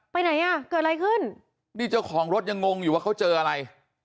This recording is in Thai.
ไปไหนอ่ะเกิดอะไรขึ้นนี่เจ้าของรถยังงงอยู่ว่าเขาเจออะไร